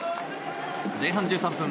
前半１３分